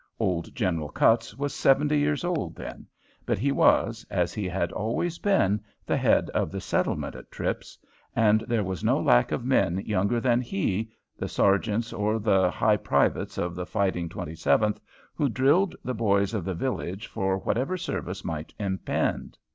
Old General Cutts was seventy years old then; but he was, as he had always been, the head of the settlement at Tripp's, and there was no lack of men younger than he, the sergeants or the high privates of the "Fighting Twenty seventh," who drilled the boys of the village for whatever service might impend.